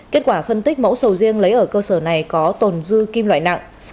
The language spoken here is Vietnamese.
kết quả phân tích mẫu sầu riêng lấy ở cơ sở này có tồn dư kim loại nặng